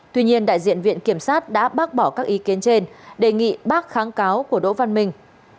tuy nhiên đại diện viện kiểm sát đã bác bỏ các ý kiến trên đề nghị bác kháng cáo của đỗ văn minh